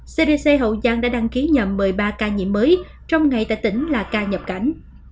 cdc hậu giang đã đăng ký nhận một mươi ba ca nhiễm mới trong ngày tại tỉnh là ca nhập cảnh